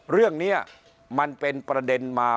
เรื่องนี้มันเป็นประเด็นมา